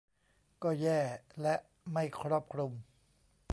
ก็แย่และไม่ครอบคลุม